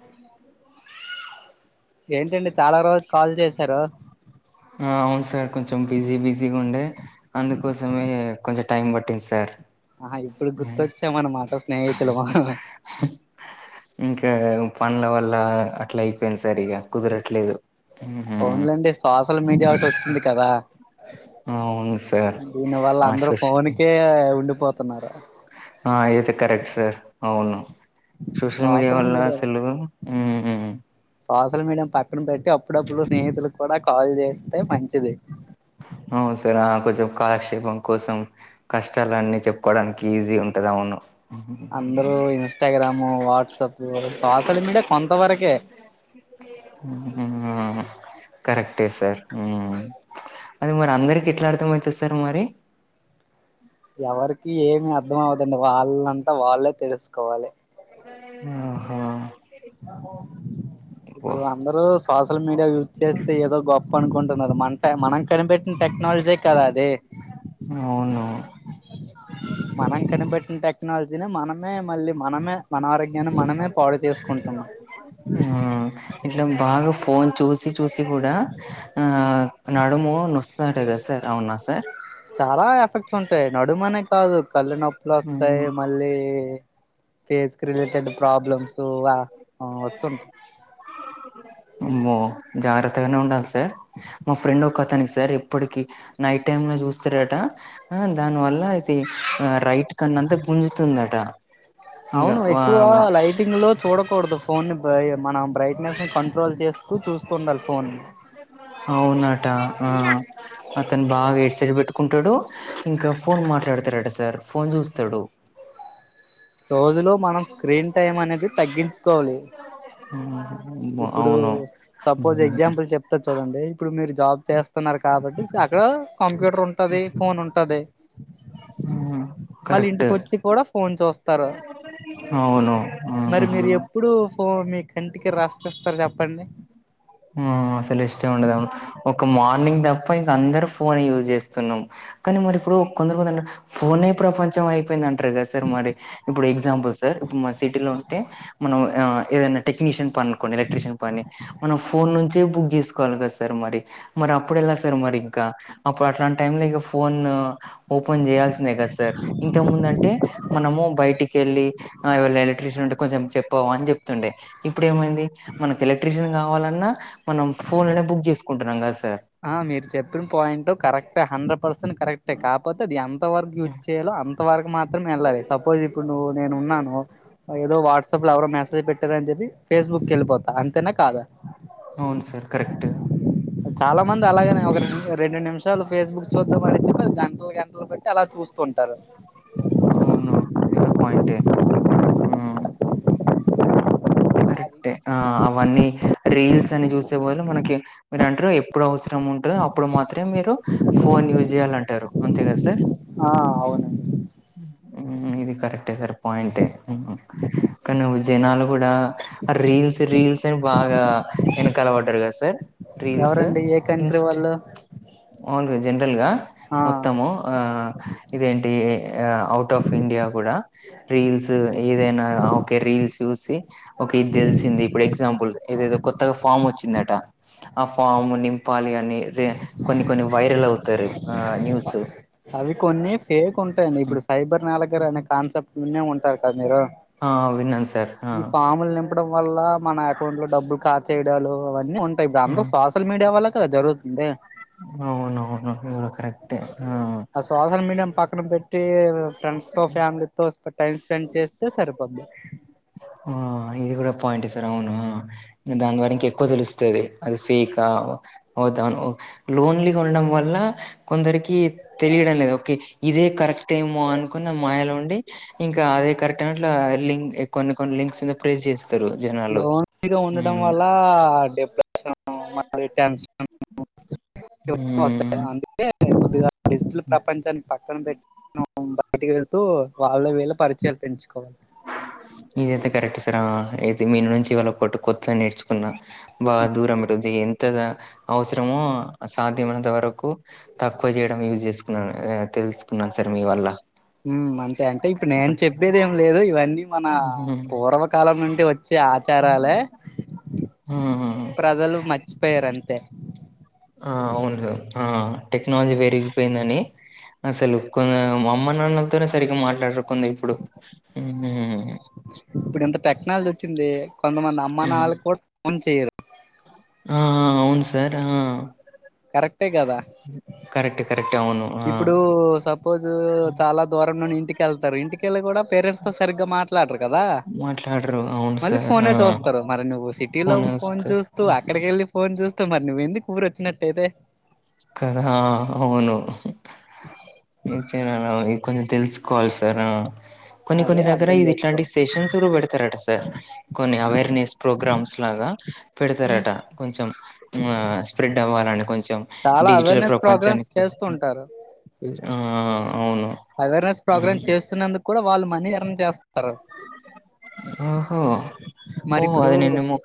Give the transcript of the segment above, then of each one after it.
అ ఏంటండి చాలా రోజు కాల్ చేశారు అవును సార్ కొంచెం బిజీ బిజీ గా ఉండే అందుకోసమే కొంచెం టైం పట్టింది సార్ ఆహా ఇప్పుడు గుర్తొచ్చా మన మాట ఇంకా పనుల వల్ల అట్లాయి న్ సర్ ఇగా కుదరట్లేదు అవునులేండి సోషల్ మీడియా ఒకటి వస్తుంది కదా అవును సార్ దీని వల్ళ ఆ అందరు సోష్ ఫోన్కే ఉండిపోతున్నారు ఆ ఇది కరెక్ట్ సార్ అవును సోషల్ మీడియా వాళ్ల్ళ అసలు సోషల్ మీడియా పక్కన పెట్టి అప్పుడప్పుడు స్నేహితులు కూడా కాల్ చేస్తే మంచిది అవును సార ఆ కొంచెం కాలక్షేపం కోసం కష్టాలన్నీ చెప్పుకోవడానికి ఈజీ ఉంటుంది అవును అందరూ ఇన్స్టాగ్రాము వాట్సాప్ సోషల్ మీడియా కొంతవరకే హ్మ్ కరెక్టే సార్ హ్మ్ అది మరి అందరికి ఎట్లా అర్థం అ అయితది సార్ మరి ఎవరికి ఏమి అర్థం అవదండి వాళ్ళంతా వాళ్ళే తెలుసుకోవాలి ఆహా ఆ ఓ ఇప్పుడు అందరుూ సోషల్ మీడియా యూజ్ చేస్తే ఏదో గొప్ప అనుకుంటున్నరు మన మనం కనిపెట్టి టెక్నాలజీ కదా అది అవును మనం కనిపెట్టిన టెక్నాలజీని మనమే మళ్ళీ మనమే మన ఆరోగ్యాన్ని మనమే పాడు చేసుకుంటున్నాం ఆ ఇట్లా బాగా ఫోన్ చూసి చూసి కూడా ఆ నడుము నొష్టదంట కదా సార్ అవునా సార్ చాలా ఎఫెక్ట్స్ ఉంటాయి నడుమనే కాదు కళ్ళు నొప్పులు వస్తాయి హ్మ్ మళ్ళీ ఫేస్ రిలేటెడ్ ప్రాబ్లమ్స్ వస్తుంటాయి అమో జాగ్రత్తగానే ఉండాలి సార్ మా ఫ్రెండ్ ఒక అతనికి సార్ ఎప్పటికి నైట్ టైమ్ లో చూస్తారట దానివల్ల తి రైట్ కన్న అంతా గుంజుతుందట ఇంగ అవును వా ఎక్కువ వా లైటింగ్ లో చూడకూడదు ఫోన్ని బ మన బ్రైట్నెస్ ని కంట్రోల్ చేస్తూ చూస్తు ఉండాలి ఫోన్ని అవునట ఆ అతను బాగా హెడ్ సెట్ పెట్టుకుంటాడు ఇంకా ఫోన్ మాట్లాడతారట సార్ ఫోన్ చూస్తాడు రోజులో మనం స్క్రీన్ టైమ్ అనేది తగ్గించుకోవాలి ఆ ఇప్పుడు సపోజ్ ఎగ్జాంపుల్ చెప్తా చూడండి ఇప్పుడు మీరు జాబ్ చేస్తున్నారు కాబట్టి సా ఇక్కడ కంప్యూటర్ ఉంటది ఫోన్ ఉంటది ఉమ్, మళ్ళీ కరెక్ట్ ఇంటికొచ్చి కూడా ఫోన్ చూస్తారు అవును హా అవును ఇప్పుడు ఫో మీ కంటికి రాస్ కస్తారు చెప్పండి ఆ అసలు ఇష్టం ఉండదాం ఒక మార్నింగ్ తప్ప ఇంక అందరు ఫోన్ యూజ్ చేస్తున్నాం కానీ మరి ఇప్పుడు కొందరు ఫోన్ ప్రపంచం అయిపోయిందంట [unintelligible] స మరి ఇప్పుడు ఎగ్జాంపుల్ సార్ ఇప్పుడు సిటీలో ఉంటే మనం ఏదనా టెక్నీషియన్ పని అనుకోండి ఎలక్ట్రిషిన్ పని మనం ఫోన్ నుంచే బుక్ చేసుకోవాలి కదా సార్ మరి మరి అప్పుడెళ్ళ సార్ మరి ఇంకా అప్పుడు అట్లాంటి టైం లో ఇక ఫోన్ ఓపెన్ చేయాల్సిందే కదా సార్ ఇంతకు ముందంటే మనము బయటికి వెళ్ళి ఇవాళ ఎలక్ట్రిషియన్ ఉంటే కొంచెం చెప్పవా అని చెప్తుండే ఇప్పుడు ఏమైంది మనకు ఎలక్ట్రిషియన్ ఏం కావాలన్నా మనం ఫోన్నే లోనే బుక్ చేసుకుంటున్నాం కదా సార్ ఆ మీరు చెప్పిన పాయింట్ కరెక్టే హండ్రెడ్ పర్సెంట్ కరెక్టే కాకపోతే అది ఎ అంత వరకు యూజ్ చేయాలో అంత వరకు మాత్రమే వెళ్ళాలి సపోజ్ ఇప్పుడు నువు నేను ఉన్నాను ఏదో వాట్సప్తో ట్సప్ లో ఎవరో మెసేజ్ పెట్టారని చెప్పి ఫేస్బుక్కిిళ్ళిపోతా అంతేనా కాదా అవును సార్ కరెక్ట్ చాలా మంది అలాగేనే ఒకెం రెండు నిమిషాలు ఫేస్బుక్ చూద్దాం మరిచి గంటలు గంటలు అలా చూస్తుంటారు అవునా ఇది కూడా పాయింటే అది కరెక్టే ఆ అవన్నీ రీల్స్ అని చూసే బదులు మనకి మీరు అంటారు ఎప్పుడు అవసరం ఉంటందో అప్పుడు మాత్రమే మీరు ఫోన్ యూజ్ చేయాలంటారు అంతే కదా సార్ ఆ అవునండి ఊ ఇది కరెక్టే సార్ పాయింటే కానీ నువ్వు జనాలు గూడా రీల్స్ రీల్స్ అని బాగా వెనకల పడ్డారు కదా సార్ రీల్స్ ఎవరండి ఏ కంట్రీ ఇన్స్టా వాళ్ళు మాములుగా జనరల్ గా ఆ మొత్తము ఆ ఇదేంటి ఔట్ ఆఫ్ ఇండియా గూడా రీల్స్ ఏదైనా ఓకే రీల్స్ సూసి ఓకే ఇది తెలిసింది ఇప్పుడు ఎగ్జాంపుల్ ఇదేదో కొత్తగా ఫామ్ వచ్చిందట ఆ ఫామ్ నింపాలి అని రే కొన్ని కొన్ని వైరల్ అవుతారు ఆ న్యూస్ అవి కొన్ని ఫేక్ ఉంటాయండి ఇప్పుడు సైబర్ నేరగాళ్లు యు అనే కాన్సెప్ట్ ఉన్నే వచారు కదా ఆ విన్నాను సార్ ఆ మీరఈ ఫామ్ లో డం వల్ల మన అకౌంట్ లో డబ్బులు కాచేయడాలు అవన్నీ ఉంటాయి ఇప్పుడు ఆ, అందరు శ్వాస సోషల్ మీడియా వల్లే కద జరుగుతుంది అవునవును ఇగ కరెక్టే ఆ ఆ సోషల్ మీడియా పక్కన పెట్టి ఫ్రెండ్స్ తో ఫ్యామిలీ తో టైమ్ స్పెండ్ చేస్తే సరిపోద్ది ఆ ఇది గూడా పాయింట్ సార్ అవును దాని ద్వారా ఇంకా ఎక్కువ తెలుస్తది అది ఫేక్ ఆ అవుతాను లోన్లీగా ఉండడం వల్ల కొందరికి తెలియడం లేదు ఓకే ఇదే కరెక్ట్ ఏమో అని కొన్ని మాయలో ఉండి ఇంకా అదే కరెక్ట్ అయినట్ల లింక్ కొన్ని కొన్ని లింక్స్ ను లోన్ మీద ఉండడం ఉమ్ వల్ల డిప్ర మరి టెన్షన్ వస్తా ఉమ్ అందుకే కొద్దిగా డిజిటల్ ప్రపంచానికి పక్కన పెట్టి మనం బయటికి వెళ్తూ వాళ్ళ వీళ్ళ పరిచయాలు పెంచుకోవాలి ఇదయితే కరెక్ట్ సార్ ఆ అయితే మీ నుంచి ఇవాళ కొత్త కొత్త వి నేర్చుకున్నా బాగా దూరం ఉంటుంది ఎంత అవసరమో సాధ్యమైనంత వరకు తక్కువ చేయడం యూజ్ చేసుకున్నాను తెలుసుకున్నాను సార్ మీ వల్ల అంతే అంటే ఇప్పుడు నేను చెప్పేది ఏం లేదు ఇవన్నీ మన హ్మ్. పూర్వకాలం నుండి వచ్ వచ్చే ఆచారాలే హ్మ్. ప్రజలు మర్చిపోయారు అంతే ఆ అవును ఆ టెక్నాలజీ పెరిగిపోయిందని అసలు కొందరు మా అమ్మ నాన్న తోనే సరిగ్గా మాట్లాడరు ఉంది ఇప్పుడు హ్మ్ ఇప్పుడు ఎంత టెక్నాలజీ వచ్చింది కొంతమంది అమ్మ హ్మ్. నాన్నలకి కూడా ఫోన్ చేయరు ఆ ఆ అవును సార్ ఆ కరెక్టే కదా కరెక్ట్. కరెక్ట్. అవును. ఇప్పుడు ఆ! సప్ సపోజ్ చాలా దూరం నుండి ఇంటికి వెళ్తారు ఇంటికెళ్ళి కూడా పేరెంట్స్ తో సరిగ్గా మాట్లా టర్లు కదా మాట్లాడరు అవును మళ్ళీ సార్ ఆ ఫోనే చూస్తారు మరి నువ్వు సిటీలో ఫోనే ఫోన్ వస్తే చూస్త తూ అక్కడకి వెళ్లి ఫోన్ చూస్తూ మరి నువ్వెందుకు ఊరు వచ్చినట్టయితే కదా అవును ఏంచేయాలి ఇది కొంచం తెలుసుకోవాలి సార్ ఆ కొన్ని కొన్ని అదే దగ్గర అర్థం ఇది చేసుకో ఇట్లాంటి సెషన్స్ కూడా పెడతారట సార్ కొన్ని అవేర్నెస్ ప్రోగ్రామ్స్ లాగా పెడతారట కొంచెం ఆ స్ప్రెడ్ అవ్వాలని కొంచెం చాలా డిజిటల్ అవేర్నెస్ ప్రోగ్రామ్స్ ప్రపంచానికి చేస్తూంటారు ఆ అవును అవేర్నెస్ ప్రోగ్రామ్ హ్మ్. చేస్తున్నందుకు కూడా వాళ్ళు మనీ ఎర్న్ చేస్తారు ఓహో మరి ఓహో ఇప్పుడు అది నిన్ను ము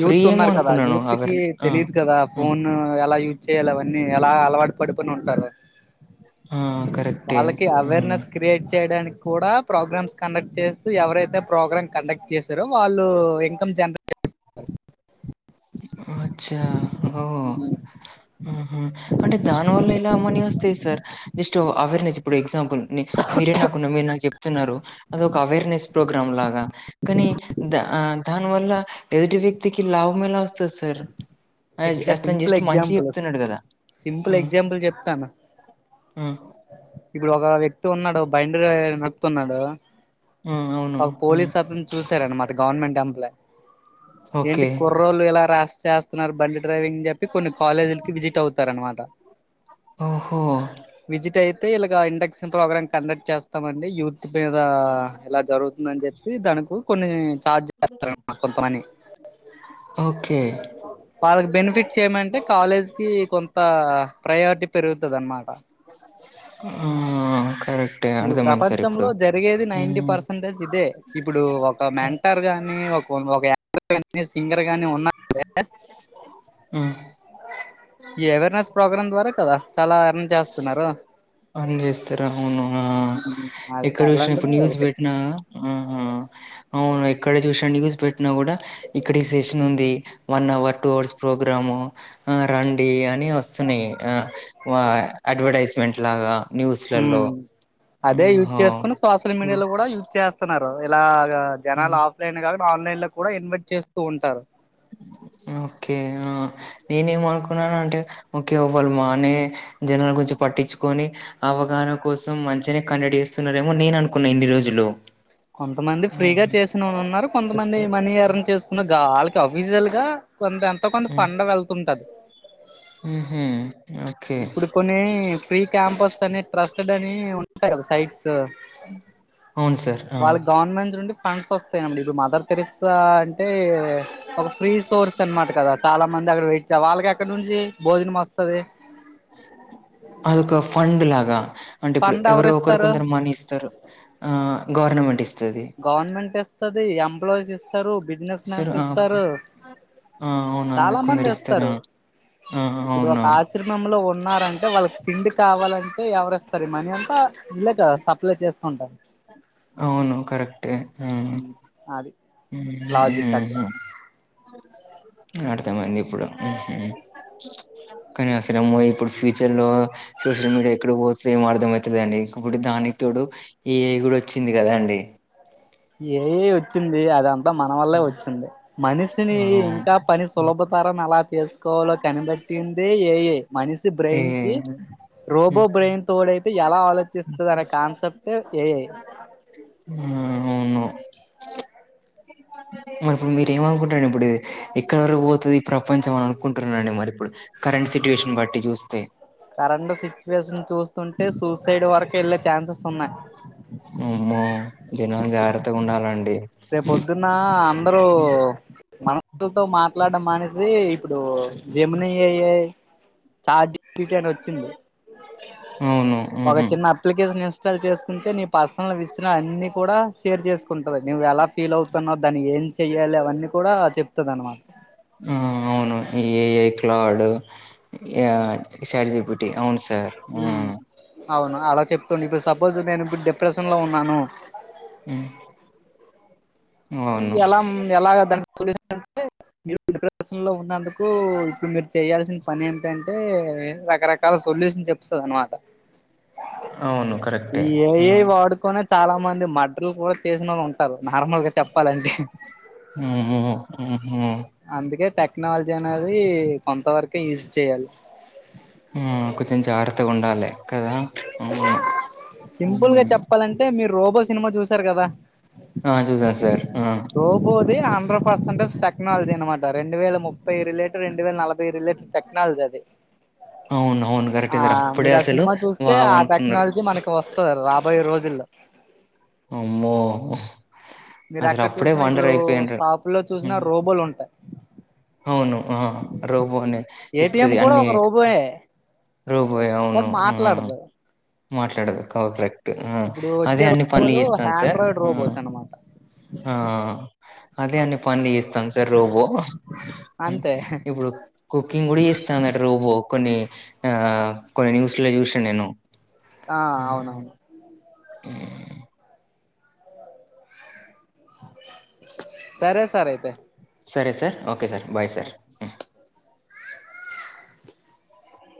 యూత్ ఉన్నారు కదా అనుకున్నాను యూత్ కి అవేర్ ఆ తెలిదు కదా ఆ ఫోన్ ఎలా యూజ్ చేయాలి అవన్నీ ఎలా అలవాటు పడుకొని ఉంటారు ఆ! కరెక్టే వాళ్ళకి ఆ అవేర్నెస్ కి క్రియేట్ చేయడానికి కూడా ప్రోగ్రామ్స్ కండక్ట్ చేస్తూ ఎవరైతే ప్రోగ్రామ్ కండక్ట్ చేసారో వాళ్ళు ఇన్కమ్ జనరేట్ [unintelligible] ఓ అచ్చా ఓ ఆ హా అంటే దాని వల్ల ఇలా మనీ వస్తాయి సార్ జస్ట్ అవేర్నెస్ ఇప్పుడు ఎగ్జాంపుల్ కొన్ని మీరే నాకున్న మీరు నాకు చెప్తున్నారు అది ఒక అవేర్నెస్ ప్రోగ్రామ్ లాగా కానీ ద దాని వల్ల ఎదుటి వ్యక్తికి లాభం ఎలా వస్తది సార్ అయ్ ఎగ్జ అతను సింపుల్ జస్ట్ మంచి ఎగ్జాంపుల్ చెప్తున్నాడు గదా! సింపుల్ హ్మ్. ఎగ్జాంపుల్ చెప్తాను హ్మ్. ఇప్పుడు ఒక వ్యక్తి ఉన్నాడు బయండ నడుపుతున్నాడు హ్మ్. అవును. ఒక హ్మ్. పోలీస్ అతను చూసారండి మాట గవర్నమెంట్ ఎంప్లయ్ ఏంటి ఓకే. కూర కుర్రోలు ఎలా రాస్ చేస్తున్నారు బండి డ్రైవింగ్ చెప్ చెప్పి కొన్ని కాలేజీలకి విజిట్ అవుతారనమాట ఓహో! విజిట్ అయితే ఇలా ఇండక్షన్ ప్రోగ్రామ్ కండక్ట్ చేస్తామండి యూత్ మీద ఎలా జరుగుతుందని చెప్పి దానికి కొన్ని చార్జ్ చేస్తారన్నమాట కొంతమని ఓకే వాళ్ళకి బెనిఫిట్స్ ఏమంటే కాలేజ్కి కొంత ప్రయారిటీ పెరుగుతది అన్నమాట ఆ కరెక్ట్ ఇగా ప్రపంచంలో జరిగేది నైన్టీ పర్సెంటేజ్ ఇదే ఇప్పుడు ఒక మెంటర్ గాని ఒక సింగర్ గాని ఉన్నా స [unintelligible] హ్మ్. ఈ అవేర్నెస్ ప్రోగ్రాం ద్వారా కదా చాలా ఎర్న్ చేస్తున్నారు ఆన్ చేస్తారు అవును ఆ అది ఎక్కడ వసిన ఇప్పుడు అలాంటిది న్యూస్ ఒకటి పెట్టినా ఆ అవును ఎక్కడ చూసా న్యూస్ పెట్టినా కూడా ఇక్కడ ఈ సెషన్ ఉంది one hour two hours program ఆ రండి అన్ని వస్తున్నాయి ఆ అడ్వర్టైజ్మెంట్ లాగా ఉం న్యూస్లలో అదే యూజ్ ఓహో చేసుకుని సోషల్ ఇది మీడియాలో కూడా యూజ్ చేస్త స్తున్నారు ఇలాగా జనాలు హ్మ్. ఆఫ్లైన్ కాకుండా ఆన్లైన్ లో కూడా ఇన్వైట్ చేస్తూ ఉంటారు ఓకే ఆ నేనేమ అనుకున్నాను అంటే ఓకే ఇవ్వాల మానే జనాలు గురుంచి పట్టిచుకొని అవగాహన కోసం మంచిగానే కండక్ట్ చేస్తున్నారేమో నేను అనుకున్నా ఇన్ని రోజులు కొంతమంది ఫ్రీగా హుహు. చేసిన వాళ్ళు ఉన్నారు కొంతమంది మనీ చెప్తే ఎర్న్ చేసుకున్న గా అఫీజియల్ గా కొంత ఎంతో కొంత పండ వెళ్తుంటది హు హామ్ ఓకే ఇప్పుడు కొన్ని ఫ్రీ క్యాంపస్ అని ట్రస్ట్డ్ అని ఉంటాయి సైట్స్ అవును సార్ ఆ వాళ్ళకి గవర్నమెంట్ నుండి ఫండ్స్ వస్తాయండి ఇప్పుడు మదర్ థెరిస్సా అంటే ఒక ఫ్రీ సోర్స్ అనమాట కదా చాలా మంది అక్కడ వెట్ వాళ్ళకి ఎక్కడ నుంచి భోజనం వస్తుంది తే అదొక ఫండ్ లాగా అంటే ఇప్పుడు ఫండ్ ఎవరు ఒకరు ఇస్తారు కొందరు మనీ ఇస్తారు ఆ గవర్నమెంట్ ఇస్తది గవర్నమెంట్ ఇస్తుది ఎంప్లాయీస్ ఇస్తు ఇస్తారు బిజినెస్ మన్స్ ఇస్తారు ఆ అవును అందు చాలా మంది కొందరు ఆ ఇస్తారు ఆ అవును మంలో ఉన్నారంటే వాళ్ళకి తిండి కావాలంటే ఎవరుస్తారు మనీ అంతా ఇల్లే కదా లయి చేస్తుంటారు అవును కరెక్టే వు అది లాజిక్ అక్కడ హమ్ అర్ధ మయింది ఇప్పుడు హు హమ్ కానీ అసలు ఏమో ఇప్పుడు ఫ్యూచర్ లో సోషల్ మీడియా ఎక్కడ పోతే ఏ అర్థం అయితలేదండి ఇప్పుడు దానికి తోడు ఏఐ కూడా వచ్చింది కదా అండి ఏఐ వచ్చింది అదంతా మన వల్లే వచ్చింది మనిషిని ఇంకా పని అవును సులభతరన్ని ఎలా చేసుకోవాలో కనిపట్టింది ఏఐ మనిషి ఏ బ్రెయిన్ కి రోబో బ్రెయిన్ తోడయితే ఎలా ఆలోచిస్తది అనే కాన్సెప్ట్ ఏఐ ఆ అవును మరి ఇప్పుడు మీరేమీ అనుకుంటున్నాడి ఇప్పుడు ఇది ఎక్కడి వరకు పోతది ఈ ప్రపంచం అని అనుకుంటున్నానడి మరి ఇప్పుడు కరెంట్ సిట్యి యేషన్ బట్టి చూస్తే కరెంట్ సిచ్యువేషన్ చూస్తుంటే సూసైడ్ వరకు వెళ్ళే ఛాన్సెస్ ఉన్నాయి మమ్మో దినం జాగ్రత్తగా ఉండాలండి రేపు ప్రొద్దున ఆ అందరూ మనుషుల తో మాట్లాడడం మానేసి ఇప్పుడు జెమిని ఏఐ చాట్ [unintelligible] అని వచ్చింది అవును ఒక ఉమ్, చిన్న అప్ అప్లికేషన్ ఇన్స్టాల్ చేసుకుంటే నీ పర్సనల్ విషయాలు అన్నీ కూడా షేర్ చేసుకుంటంది నువ్వు ఎలా ఫీల్ అవుతున్నావు దాని ఏం చేయాలి అవన్నీ కూడా చెపుతది అన్న మా ఆ ఆ అవును ఏ ఏ క్లాడు యా షారుజీపిటి అవును స్ ఊ అవును అలా చెప్తుడి ఇప్పుడు సపోజ్ నేను ఇప్పుడు డిప్రెషన్ లో ఉన్నాను ఊ ఊ ఎలా ఎలాగ దానికి సొల్యూషన్ అంటే మీ డిప్రెషన్ లో ఉన్నందుకు ఉఇప్పుడు మీరు చేయాల్సిన పని ఏంటంటే రకరకాల సొల్యూషన్ చెప్తుంది అన్నమాట అవును ఈ కరెక్టే ఏ ఆ, ఏ వాడుకనే చాలా మంది మర్డర్లు కూడా చేసిన వాళ్ళు ఉంటారు నార్మల్గా చెప్పాలంటే ఊ ఊ హుం హు అందుకే టెక్నాలజీ అనేది కొంతవరకే యూజ్ చేయాలి ఊ కొంచెం జాగ్రత్తగా ఉండాలి కదా అవును సింపుల్ గా ఉమ్. చెప్పాలంటే మీరు రోబో సినిమా చూసారు కదా ఆ చూసా సార్ ఆ రోబోది హండ్రెడ్ పర్సెంటేజ్ టెక్నాలజీ అన్నమాట రెండువేల ముప్పై రిలేటరు రెండు వేల నలభై రిలేటడ్ టెక్నాలజీ అది అవును అవును కరెక్టే ఆ సార్ అప్పుడే మీరు అసలు సినిమా చూస్తే వావ్ ఆ అనుకున్నారు టెక్నాలజీ మనకి వస్తది రాబోయే రోజుల్లో అమ్మో మీరు అసలు ఎక్కడ అప్పుడే చూసినా వండర్ ఇప్పుడు అయిపోయిండ్రు షాపు లో చూసినా హ్మ్. రోబోలు ఉంటాయి అవును ఆ రోబో నే ఏటిఎం ఇస్తది కూడా అన్ని ఒక రోబోయే రోబోయే అవును అది ఊ మాట్లాడదు మాట్లాడదు కావక్రెక్ ఊ ఇప్పుడు అదే వచ్చే అన్ని పనులు రోబోలు చేస్తుంది సార్ ఆండ్రాయిడ్ ఊ రోబోస్ అనమాట ఆ అదే అన్ని పనులు చేస్తుంది సార్ రోబో ఊ అంతే ఇప్పుడు కుకింగ్ కూడా చేస్తుందట రోబో కొన్ని ఆ కొన్ని న్యూస్ లో చూసిన నేను ఆ అవును ఊ ఊ సరే సరే అయితే సరే sir okay sir bye sir హ్మ్. ఆ